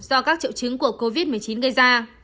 do các triệu chứng của covid một mươi chín gây ra